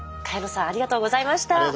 萱野さんありがとうございました。